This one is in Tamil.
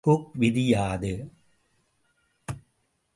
ஹூக் விதி யாது?